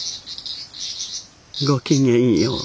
ごきげんよう。